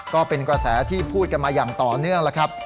ก็เป็นกระแสที่พูดกันมาอย่างต่อเนื่องแล้วครับ